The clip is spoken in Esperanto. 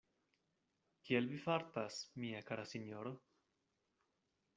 Kiel vi fartas, mia kara sinjoro?